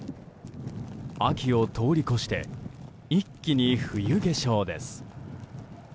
秋を通り越して一気に冬化粧です。